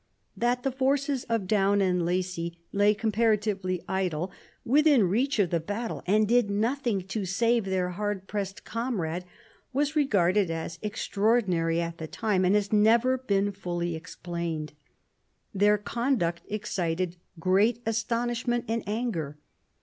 That the forces of Daun and Lacy lay comparatively idle, within reach of the battle, and did nothing to save their hard pressed comrade was regarded as extra ordinary at the time, and has never been fully explained. Their conduct excited great astonishment and anger.